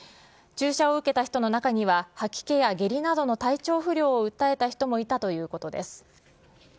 注射を受けた人の中には、吐き気や下痢などの体調不良を訴えた人もいたということです